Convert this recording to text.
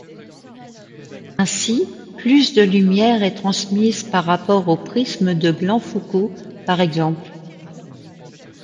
Ainsi plus de lumière est transmise par rapport au prisme de Glan-Foucault par exemple.